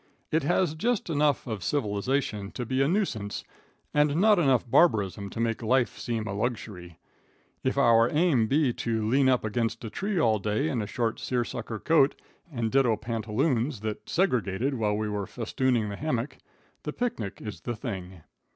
It has just enough of civilization to be a nuisance, and not enough barbarism to make life seem a luxury. If our aim be to lean up against a tree all day in a short seersucker coat and ditto pantaloons that segregated while we were festooning the hammock, the picnic is the thing.